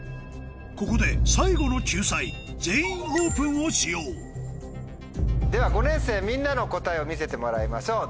ここで最後の救済「全員オープン」を使用では５年生みんなの答えを見せてもらいましょう。